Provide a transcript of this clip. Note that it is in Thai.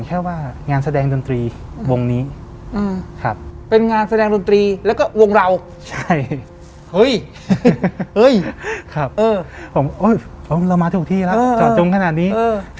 คับเออผมโอ้ยแล้วมาทุกที่ล่ะจอดจงขนาดนี้เออ